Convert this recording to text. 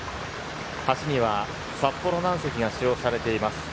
橋には札幌軟石が使用されています。